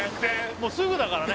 もうすぐだからね